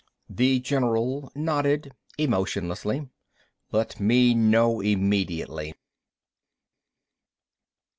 The general nodded emotionlessly. "Let me know immediately."